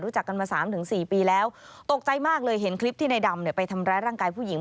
รู้จักกันมา๓๔ปีแล้วตกใจมากเลยเห็นคลิปที่ในดำเนี่ยไปทำร้ายร่างกายผู้หญิง